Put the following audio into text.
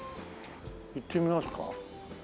行ってみますか。